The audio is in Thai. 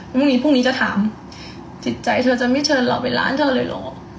พรุ่งนี้พรุ่งนี้จะถามจิตใจเธอจะไม่เชิญเราไปร้านเธอเลยเหรอ